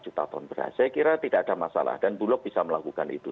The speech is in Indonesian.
saya kira tidak ada masalah dan bulog bisa melakukan itu